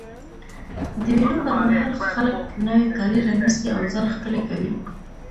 د مېلو پر مهال خلک نوی کالي رانيسي او ځان ښکلی کوي.